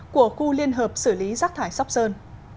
của khu liên hợp xử lý rác thải sóc sơn